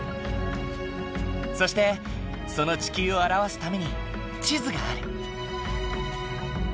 そしてその地球を表すために地図がある。